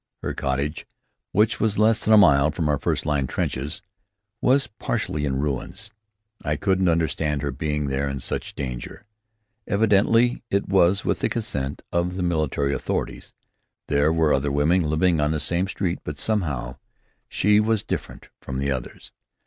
Her cottage, which was less than a mile from our first line trenches, was partly in ruins. I couldn't understand her being there in such danger. Evidently it was with the consent of the military authorities. There were other women living on the same street; but somehow, she was different from the others.